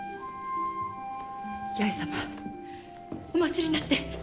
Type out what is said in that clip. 弥江様お待ちになって！